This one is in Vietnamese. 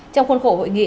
trong khuôn khổ hội nghị